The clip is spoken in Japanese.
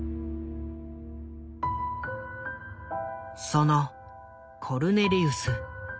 そのコルネリウス。